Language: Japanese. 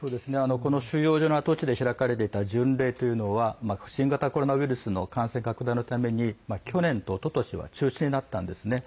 収容所の跡地で開かれていた巡礼というのは新型コロナウイルスの感染拡大のために去年と、おととしは中止になったんですね。